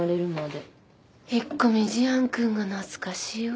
引っ込み思案君が懐かしいわ。